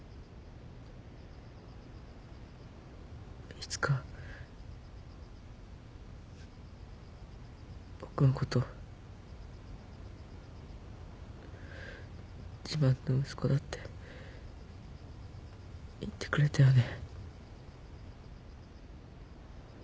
いつか僕のこと自慢の息子だって言ってくれたよね。